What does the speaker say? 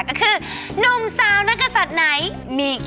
ก็คือนุ่มซาวว์นะคะสัตว์ไหนมีเกียรติ